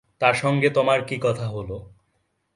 তাঁর সঙ্গে তোমার কী কথা হল?